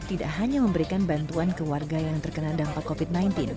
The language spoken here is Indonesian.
tidak hanya memberikan bantuan ke warga yang terkena dampak covid sembilan belas